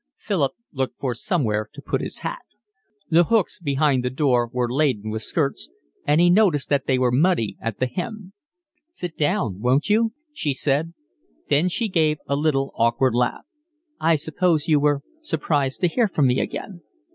Philip looked for somewhere to put his hat. The hooks behind the door were laden with skirts, and he noticed that they were muddy at the hem. "Sit down, won't you?" she said. Then she gave a little awkward laugh. "I suppose you were surprised to hear from me again."